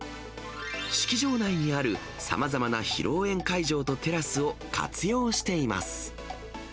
式場内にあるさまざまな披露宴会場とテラスを活用しています。